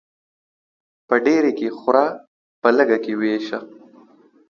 په ډيري کې خوره ، په لږي کې ويشه.